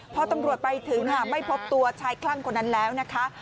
พอตำรวจไปถึงไม่พบตัวชายคลั่งคนนั้นแล้วนะคะ